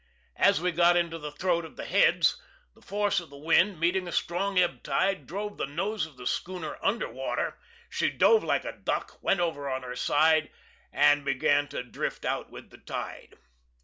As we got into the throat of the "Heads," the force of the wind, meeting a strong ebb tide, drove the nose of the schooner under water; she dove like a duck, went over on her side, and began, to drift out with the tide.